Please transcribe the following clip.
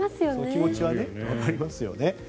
気持ちはわかりますよね。